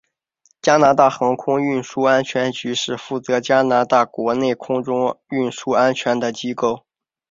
加拿大航空运输安全局是负责加拿大国内空中运输安全的机构。